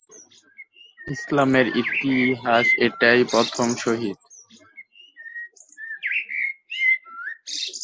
ইসলামের ইতিহাসে এটিই প্রথম শহীদ।